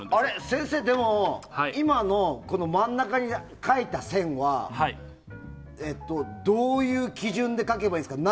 先生、でも今の真ん中に描いた線はどういう基準で描けばいいんですか？